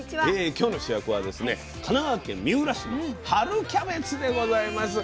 今日の主役はですね神奈川県三浦市の春キャベツでございます。